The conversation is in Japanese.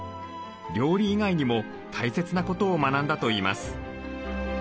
料理以外にも大切なことを学んだといいます。